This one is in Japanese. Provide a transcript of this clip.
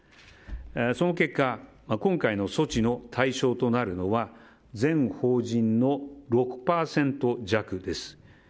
その結果今回の措置の対象となるのは全法人の６％弱です。